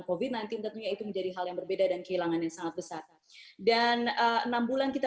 covid sembilan belas tentunya itu menjadi hal yang berbeda dan kehilangan yang sangat besar dan enam bulan kita